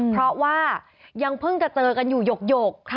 เพราะว่ายังเพิ่งจะเจอกันอยู่หยก